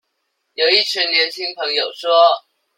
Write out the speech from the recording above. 有一群年輕朋友說